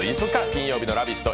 金曜日の「ラヴィット！」